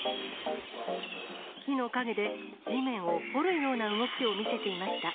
木の陰で、地面を掘るような動きを見せていました。